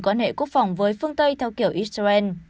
quan hệ quốc phòng với phương tây theo kiểu israel